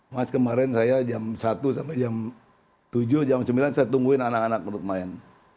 mas kemarin saya jam satu sampai jam tujuh jam sembilan saya tungguin anak anak untuk main